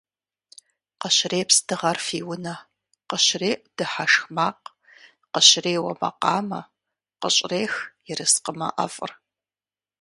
Къыщрепс дыгъэр фи унэ, къыщреӏу дыхьэшх макъ, къыщреуэ макъамэ, къыщӏрех ерыскъымэ ӏэфӏыр.